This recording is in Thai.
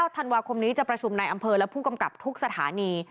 ธันวาคมนี้จะประชุมในอำเภอและผู้กำกับทุกสถานี